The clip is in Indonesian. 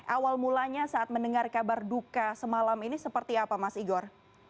awal mulanya saat mendengar kabar duka semalam ini seperti apa mas igor